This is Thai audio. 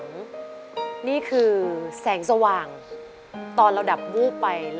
เปลี่ยนเพลงเพลงเก่งของคุณและข้ามผิดได้๑คำ